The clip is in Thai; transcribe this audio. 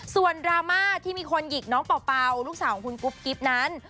ส่วนดราม่าที่มีคนหยิกน้องเป่าลูกสาวของคุณกุ๊บกิ๊บนั้น